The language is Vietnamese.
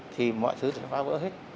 thì mọi thứ sẽ phá vỡ hết